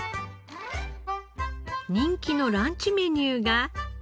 人気のランチメニューが。